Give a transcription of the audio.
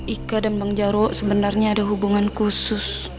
ika dan bang jaro sebenarnya ada hubungan khusus